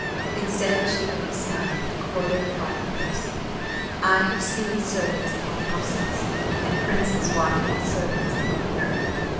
Instead she only smiled and quoted a Bible verse: "I have seen servants upon horses, and princes walking as servants upon the earth."